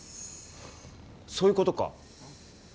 そういうことか。